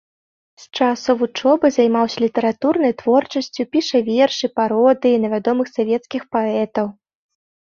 З часу вучобы займаўся літаратурнай творчасцю, піша вершы, пародыі на вядомых савецкіх паэтаў.